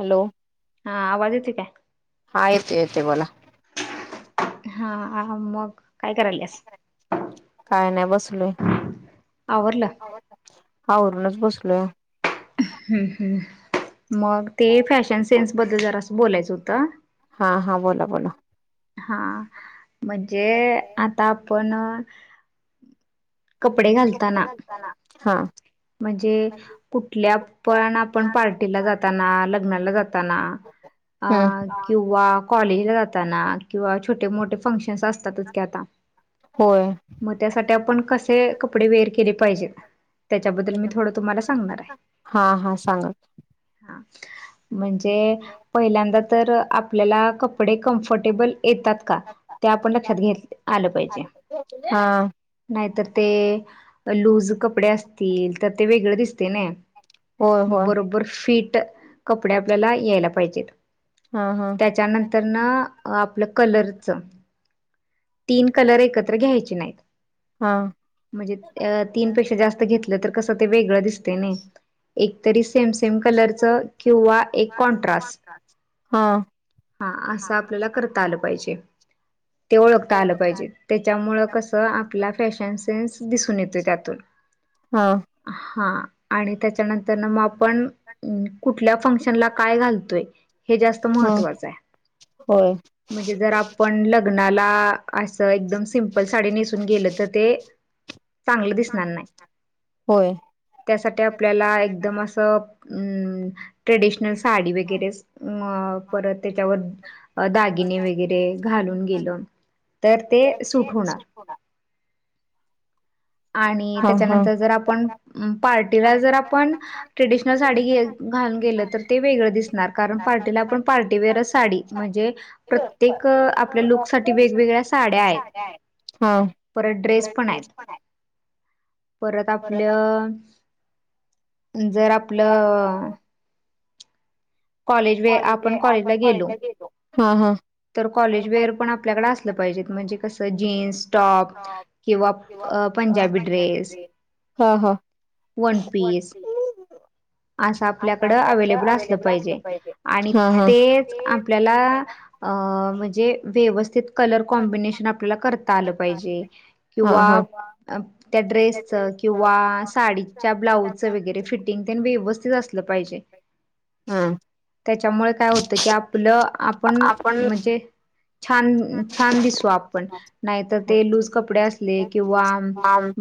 Hello हा आवाज येतोय काय? हा येतोय येतोय बोला. हा आहा मग काय कराल्यास? काय नाही बसलोय. आवरलं? आावररूनच बसलोय. मग ते फॅशन सेन्स बद्दल जरा असं बोलायचं होतं हा हा बोला बोला हा म्हणजे आता आपण कपडे घालताना, हा म्हणजे कुठल्या पण आपण पार्टीला जाताना, लग्नाला जाताना, अ किंवा कॉलेजला जाताना, किंवा छोटे मोठे फंक्शन्स असतातच कि आता होय मग त्यासाठी आपण कसे कपडे वेअर केले पाहिजेत, त्याच्याबद्दल मी थोडं तुम्हाला सांगणार आहे ह.. म्हणजे पहिल्यांदा तर आपल्याला कपडे कम्फर्टेबल येतात, का? ते आपण लक्षात घेत आलं पाहिजे. नाहीतर ते लूज कपडे असतील तर ते वेगळं दिसतय नइ. मग बरोबर फिट कपडे आपल्याला यायला पाहिजेत. हा हा त्याच्यानंतरन आपलं कलरच तीन कलर एकत्र घ्यायचे नाहीत, म्हणजे तीन पेक्षा जास्त घेत तर कस तेे वेगळं दिस- तय नि एक तर सेम सेम कलरच किंवा एक कॉन्ट्रस्ट हा हा असं आपल्याला करता आलं पाहिजे, ते ओळखता आलं पाहिजे, त्याच्यामुळं कसं आपला फॅशन सेन्स दिसून येतोय त्यातून. हा हा आणि त्याच्यानंतर ना मग आपण कुठल्या फंक्शन ला काय घालतोय, हे जास्त महत्त्वाचं आहे. होय. पण लग्नाला असं एकदम सिंपल साडी नेसून गेलं तर ते होय. त्यासाठी आपल्याला एकदम असं अम ट्रेडिशनल साडी वगैरे मग परत त्याच्यावर अ दागिने वगैरे घालून गेल, तर ते सुट होणार. होणार. आणि त्याच्यानंतर जर आपण पार्टीला जर आपण ट्रेडिशनल साडी घालून गेल तर ते वेगळं दिसणार. कारण पार्टीला आपण पार्टीवेअर साडी म्हणजे प्रत्येक आपल्या लुक साठी वेगवेगळ्या त्या साड्या आहेत, हा. परत ड्रेस पण आहेत. परत आपलं, जर आपलं कॉलेज वे आपण कॉलेजला गेलो तर कॉलेज वेअर पण आपल्याकडे असलं पाहिजेत म्हणजे कसं जीन्स टॉप. किंवा प-पंजाबी ड्रेस. हा हा. असं आपल्याकडं अवेलेबल असलं पाहिजे. आणि तेच आपल्याला, अ म्हणजे व्यवस्थित कलर कॉम्बिनेशन आपल्याला करता आलं पाहिजे, किंवा त्या ड्रेसच किंवा साडीच्या ब्लाउजचं वगैरे फिट व्यवस्थित असलं पाहिजे, त्याच्यामुळे काय होत की आप आपलं आपण म्हणजे छान-छान दिसो आपण नाहीतर ते लूज कपडे असले किंवा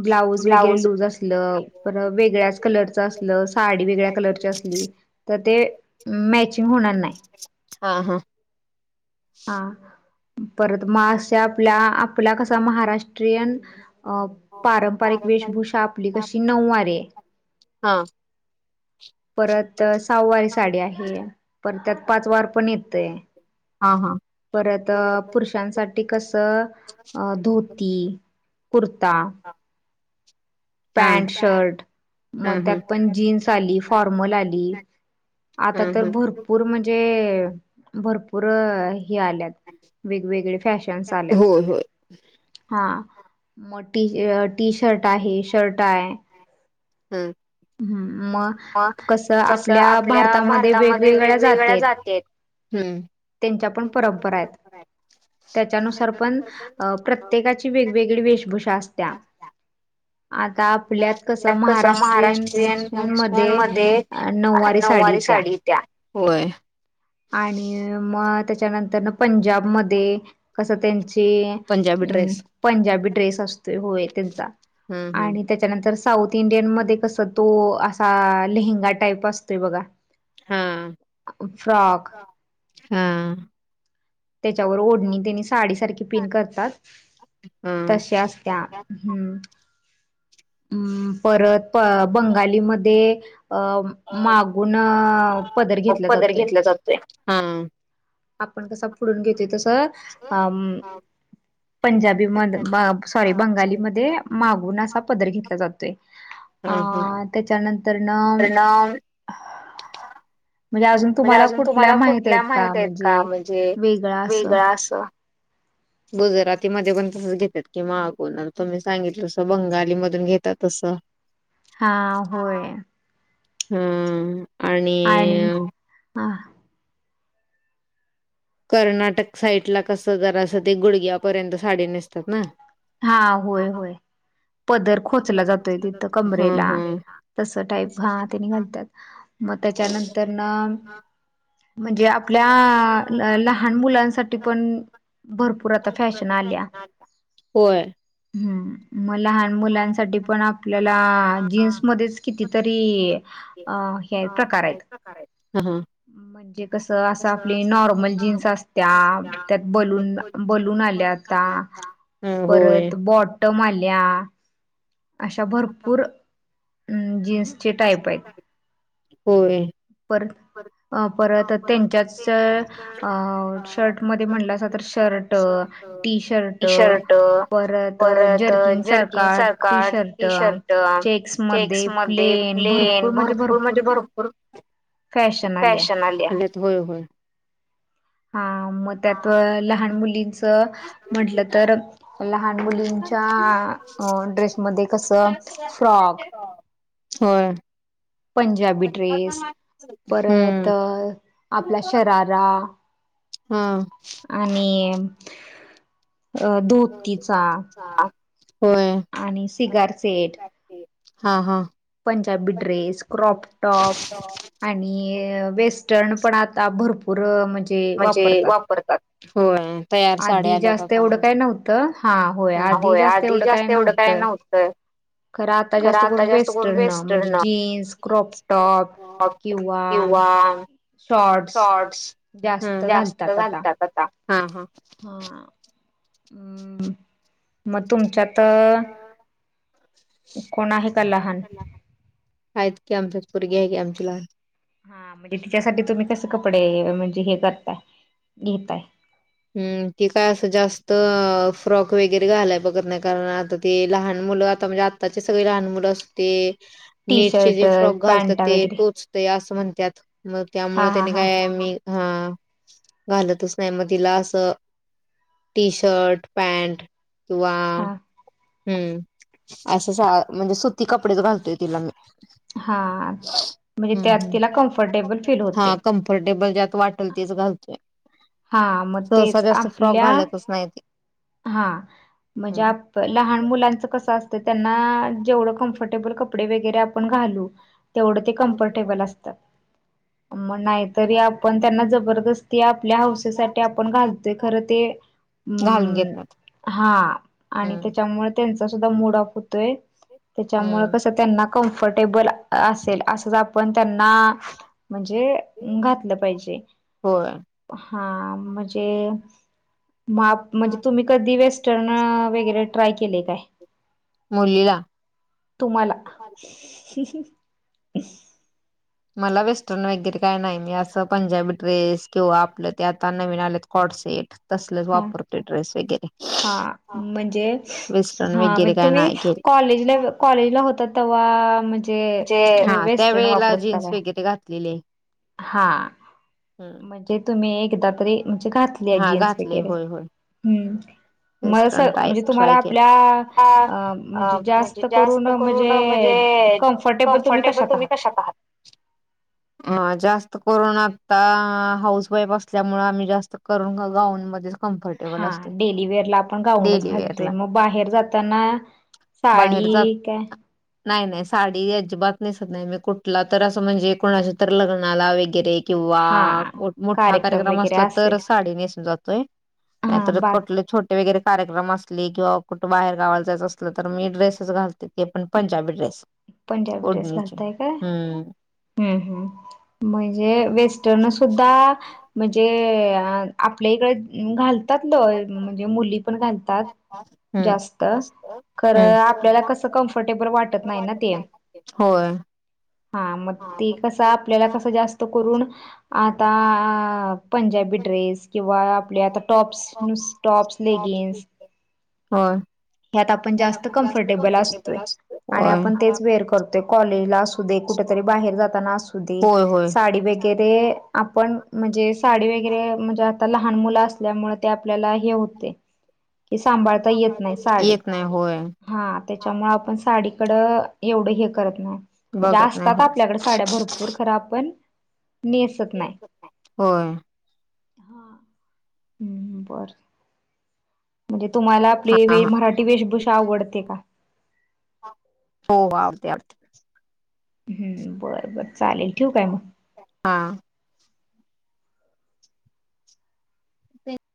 ब्लाऊज वगैरे लूज असलं [unintelligible] वेगळ्याच कलरचं असलं. साडी वेगळ्या कलरची असली तर ते, मचिंग होणार नाही. हा हा. हा, परत मग आशा आपल्या, आपला कसा महाराष्ट्रीयन अं, पारंपरिक वेशभूषा आपली कशी नववारीे [unintelligible] परत सहावारी साडी आहे. पण त्यात पाच वार पण येतय. हा हा. परतं पुरुषांसाठी कसं धोती, कुर्ता हा. पॅन्ट शर्ट, मग त्यात पण जीन्स आली फॉर्मल आली आता तर भरपूर म्हणजे भरपूर हे आल्यात वेगवेगळे फॅशनस आल्यात हा, मग टी-टी शर्ट आहे, शर्ट आहे. हम. मग, कसं आपल्या भारतामध्ये वेगवेगळ्या जाती आहेत. हम्म‌. त्यांच्या पण परंपरा आहेत, त्याच्यानुसार पण प्रत्येकाची ती वेगवेगळी वेशभूषा असत्या, आता मग आपल्यात कसं महाराष्ट्रीयन जंक्शन मध्ये नऊवारी साडी येत्या. होय. आणि मग त्याच्यानंतर न पंजाबमध्ये कस त्यांचे पंजाबी ड्रेस असतोय त्यांचा आणि त्याच्या त्यानंतर साऊथ इंडियन मध्ये कस तो असा लेहंगा टाईप असतोय बघा अच [inaudible] हं त्याच्यावर ओढणी त्यानी साडी सारखी पिन करतात तशा असत्या हम्म परत बंगालीमध्ये अ मागचन पदर घेतला जातोय हा आपण कसा पुढुन घेतो तस ह हा [unintelligible] पंजाबी मध सॉरी बंगालीमध्ये मागुन असा पदर घेतला जातोय अं त्याच्यानंतर न म्हणजे अजुन तुम्हाला तुम्हाला कुठल्या माहित आहेत का म्हणजे वेगळा अस गुजरातीमध्ये पण तसच घेतात किंवा अगोदर तुम्ही सांगितलस बंगालीमधुन घेतात तस हां होय हम्म आणि हां कर्नाटक साईड ला कस जरा स ते गुडघ्या पर्यंत साडी नेसतात ना हा होय होय पदर खोचला जातोय तिथ कमरेला तस टाईप हा त्यानी घालतात मग त्याच्यानंतर ना म्हणजे आपल्या लहान मुलांसाठी पण भरपुर आता फॅशन आल्या होय हम् म लहान मुलांसाठी पण आपल्याला जीन्स मध्येच कितीतरी अ हे प्रकार आहेत म्हणजे कस अस आपली नॉर्मल म जीन्स असत्या त्यात बलचन बलुन आल्या आता परत बॉटम आल्या अशा भरपूर जीन्सचे टाईप आहेत होय पर अ परत त्यांच्याच शर्टमध्ये म्हटल अस तर शर्ट टी शर्ट परत जर्किंग सारखा टी शर्ट चेक्स मध्ये प्लेन भरपुर म्हणजे भरपुर फॅशन आलीया आलेत होय होय हा मग त्यात लहान मुलींच म्हटल तर लहान मुलींच्या ड्रेसमध्ये कस फ्रॉक होय पंजाबी ड्रेस परत आपला शरारा हं आणि अं धोतीचा होय हा हां पंजाबी ड्रेस क्रॉप टॉप आणि वेस्टर्न पण आता भरपुर म्हणजे म्हणजे वापरतात होय. आधी जास्त एवढं काय नव्हतं हा होय -आधी जास्त एवढं काय नव्हत. खरं आता जास्त करून वेस्टर्न म्हणजे जीन्स क्रॉपटॉप किंवा शॉट शॉटस जास्त घालतात आता हां म तुमच्याक तर कोण आहे का लहान? आ की आमचा पोरगी आहे की आमची लहान. हा म्हणजे तिच्यासाठी तुम्ही कसे कपडे म्हणजे हे करताय घेताय. हम्म कि काय असं जास्त फ्रॉक वगैरे घालाय बघत नाही कारण आता ते लहान मुलं आता म्हणजे आत्ताचे सगळे लहान मुलं असते नेटचे जे फ्रॉक घालतात ते टोच असं म्हणतात. मग त्यामुळे त्यानी काय मी ह घालतच नाही मग तिला असं टी शर्ट पॅट किंवा हम्म. अस म्हणजे सुती कपडेच घालतोय तिला मी. हम्म. ह हा कम्फर्टेबल ज्यात वाट ल तेच घालतोय. सहसा जास्त फ्रॉक घालतच नाही. हा म्हज्या लहान मुलांचं कसं असतं त्यांना जेवढं कम्फर्टेबल कपडे वगैरे आपण घालू तेवढं ते कम्फर्टेबल असतात. मग नाही तरी आपण त्यांना जबरदस्ती आपल्या हौसेसाठी आपण घालतोय खर ते घालून घेत. हा आणि त्याच्यामुळे त्यांचा सुद्धा मूड ऑफ होतोय. त्याच्यामुळे कसं त्यांना कम्फर्टेबल असेल असं आपण त्यांना म्हणजे घातलं पाहिजे. हा म्हणजे मा म्हणजे मी कधी वेस्टर्न वगैरे ट्राय केले काय? मुलीला? तुम्हाला? मला वेस्टर्न वगैरे काय नाही. मी असं पंजाबी ड्रेस किंवा आपलं ते आता नवीन आलेत कॉडसेट तसलच वापरते ड्रेस वगैरे वेस्टर्न वगैरे काय नाही घेत. कॉलेजला- कॉलेजला होत तेव्हा म्हणजे वेस्टर्न वापरत होता काय? तिथे घातले आहे. हा म्हणजे तुम्ही एकदा तरी म्हणजे घात जीनस बरे हम्म. मला म्हणजे तुम्हाला आपल्या म्हणजे जास्त करून म्हणजे कम्फर्टेबल तुम्ही कशात आहात? हा जास्त करून आता हाऊस वाईफ असल्यामुळे आम्ही जास्त करून गाऊन मध्ये कम्फर्टेबल. हा डेलीवेअर ला आपण गाऊनच घालतोय मग बाहेर जाताना. साडी काय? नाही -नाही. साडी अजिबात नाहीसत नाही मी कुठला तर असं म्हणजे कोणाच्या तर लग्नाला वगैरे. किंवा मोठा कार्यक्रम असला तरच साडी नेसून जातोय नाहीतर कटले छोट वगैरे कार्यक्रम असले किंवा कुठं बाहेर गावायला जायचं असलं तर मी ड्रेस घालतोय ते पण पंजाबीड्रेस. पंजाबी ड्रेस घालताय काय? हम् ह् म्हणजे वेस्टर्न सुद्धा म्हणजे आपल्या इकड घालतात ल म्हणजे मुली पण घालतात जास्त, खर आपल्याला कसं कमफर्टेबल वाटत नाही ना होय. हा, मग ते कसं आपल्याला कसं जास्त करून आता पंजाबी ड्रेस, किंवा आपले आता टॉप्स नुस टॉप्स लेगिंग्स होय. ह्यात आपण जास्त कम्फर्टेबल असतोजय, आणि आपण तेच वेअर करतोय कॉलेजला आसो दे, कुठ तरी बाहेर जातना आसुदे, साडी वे गेरे, आपण म्हणजे साडी वगैरे म्हणजे लहान मुलं असल्यामुळ ते आपल्याला हे होतय, की सांभाळता येत नाही येत नाही होय. हा, त्याच्यामुळ आपण साडीकडं एवढं हे करत नाय. म्हणजे असतात आपल्याकड साड्या भरपू पूर, खर आपण नेसत नाय. हम्म हम्म बर. म्हणजे तुम्हाला आपली वे मराठी वेशभूषा आवडते का? हो आवडते आवडते. हम्म बर बर चालेल ठेवू काय म? हां. ते